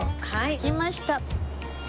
着きました。